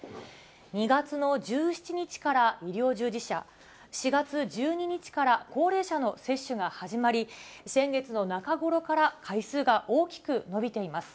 ２月の１７日から医療従事者、４月１２日から高齢者の接種が始まり、先月の中頃から回数が大きく伸びています。